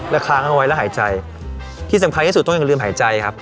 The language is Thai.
แล้วค้างเอาไว้แล้วหายใจที่สำคัญที่สุดต้องอย่าลืมหายใจครับ